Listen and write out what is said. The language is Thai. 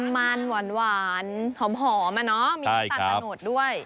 มันหวานหอมมีน้ำตาลตะโนดด้วย